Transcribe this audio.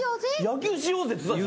野球しようぜって。